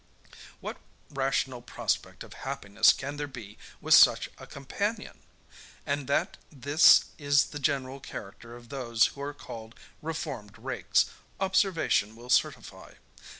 What rational prospect of happiness can there be with such a companion? And, that this is the general character of those who are called reformed rakes, observation will certify.